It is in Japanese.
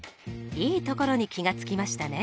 いいところに気が付きましたね。